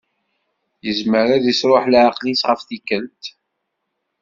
Yezmer ad isruḥ leɛqel-is ɣef tikkelt.